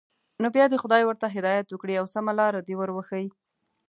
نو بیا دې خدای ورته هدایت وکړي او سمه لاره دې ور وښيي.